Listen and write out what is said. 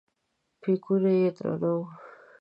بیکونه یې درانه وو.